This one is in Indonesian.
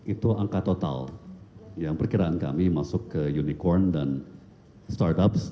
itu angka total yang perkiraan kami masuk ke unicorn dan startups